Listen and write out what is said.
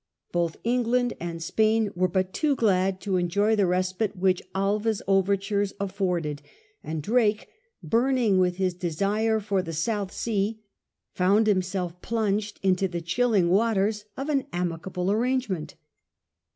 Both England and Spain were but too glad to enjoy the respite which Alva's overtures afforded, and Drake, burning with his desire for the South Sea^ found himself plunged into the chilling waters of an amicable arrangement.